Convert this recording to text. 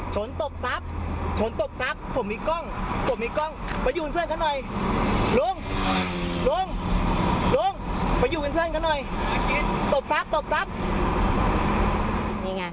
ชนตบซับชนตบซับผมมีกล้องผมมีกล้องไปอยู่กันเพื่อนขนาดหน่อย